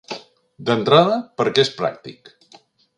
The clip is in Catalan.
D'entrada, perquè és pràctic.